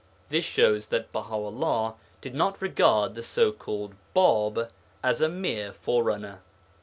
This shows that Baha 'ullah did not regard the so called Bāb as a mere forerunner.